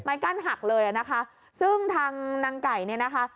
ไม้กั้นหักเลยนะคะซึ่งทางนางไก่นี่นะคะ